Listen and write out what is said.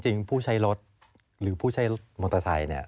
ก็จริงผู้ใช้รถหรือผู้ใช้รถมอเตอร์ไซต์